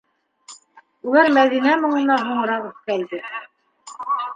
Улар Мәҙинә моңона һуңыраҡ өҫтәлде.